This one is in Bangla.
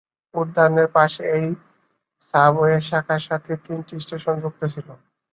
উদ্যানের পাশে এই সাবওয়ে শাখার সাথে তিনটি স্টেশন যুক্ত ছিল।